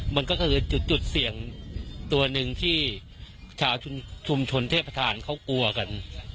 มันก็คือจุดเสี่ยงตัวหนึ่งที่ชาวชุมชนเทพธานเขากลัวกัน